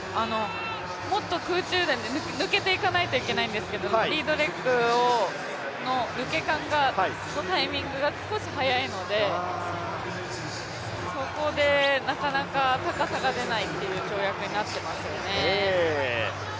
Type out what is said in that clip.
もっと空中で抜けていかないといけないんですけど、抜け感のタイミングがタイミングが少し早いので、そこでなかなか高さが出ないという跳躍になっていますよね。